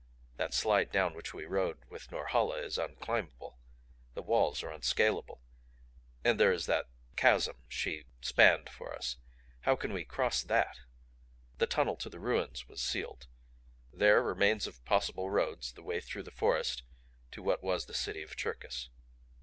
That slide down which we rode with Norhala is unclimbable. The walls are unscalable. And there is that chasm she spanned for us. How can we cross THAT? The tunnel to the ruins was sealed. There remains of possible roads the way through the forest to what was the City of Cherkis.